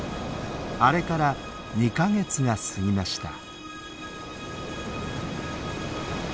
あれから２か月が過ぎました。